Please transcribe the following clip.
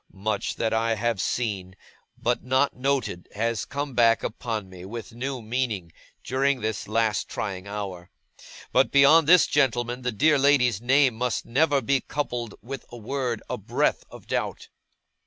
Much that I have seen, but not noted, has come back upon me with new meaning, during this last trying hour. But, beyond this, gentlemen, the dear lady's name never must be coupled with a word, a breath, of doubt.